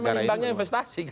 karena pertimbangannya investasi